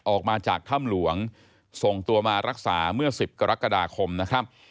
ออกมาจากถ้ำหลวงส่งตัวมารักษาเมื่อ๑๐กรกฎาคมนะครับ